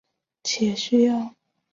且需要配合潮汐的时间来起降飞机。